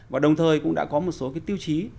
và đồng thời cũng đã có một số cái tiêu chí